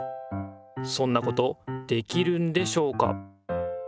そんなことできるんでしょうか？